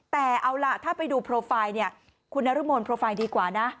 แต่เอาล่ะถ้าไปดูโปรไฟล์เนี่ยคุณนรมนโปรไฟล์ดีกว่านะ